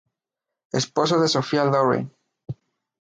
Esposo de Sophia Loren.